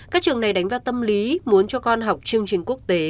các trường này đánh vào tâm lý muốn cho con học chương trình quốc tế